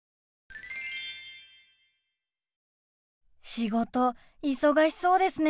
仕事忙しそうですね。